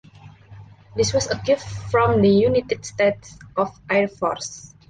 This was a gift from the United States Air Force.